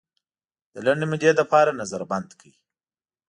د لنډې مودې لپاره نظر بند کړ.